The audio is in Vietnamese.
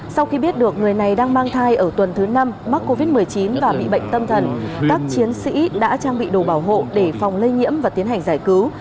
sau khi biết được người này đang mang thai ở tuần thứ năm mắc covid một mươi chín và bị bệnh tâm thần các chiến sĩ đã trang bị đồ bảo hộ để phòng lây nhiễm và tiến hành giải cứu